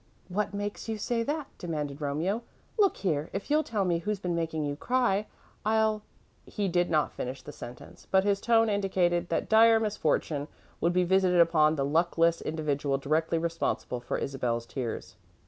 "What makes you say that?" demanded Romeo. "Look here, if you'll tell me who's been making you cry, I'll " He did not finish the sentence, but his tone indicated that dire misfortune would be visited upon the luckless individual directly responsible for Isabel's tears.